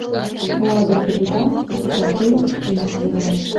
Лазыр кугыза, сукалтен, кумык возо.